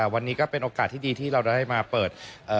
วันนี้ก็เป็นโอกาสที่ดีที่เราได้มาเปิด